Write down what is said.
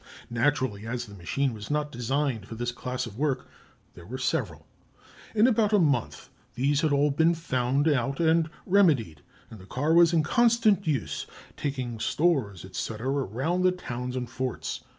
Naturally, as the machine was not designed for this class of work, there were several. In about a month these had all been found out and remedied, and the car was in constant use, taking stores, &c., round the towns and forts.